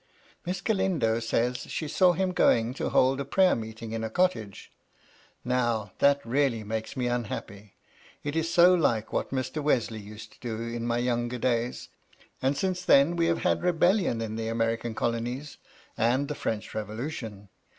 " Miss Galindo says she saw him going to hold a prayer meeting in a cottage. Now, that really makes me unhappy, it is so like what Mr. Wesley used to do in my younger days ; and since then we have had re bellion in the American colonies and the French revo lution.